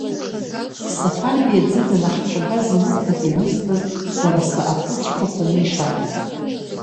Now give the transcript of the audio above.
Сафарбеи аӡы данаҳцәагаз ауха ауп ианызбаз Ҟәараса аԥрыцәқәа ԥаны ишақәыз.